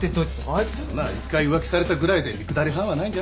あのな１回浮気されたぐらいで三くだり半はないんじゃないか？